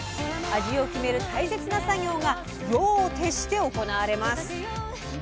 味を決める大切な作業が夜を徹して行われます。